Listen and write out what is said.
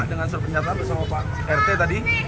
iya dengan pernyataan bersama pak rt tadi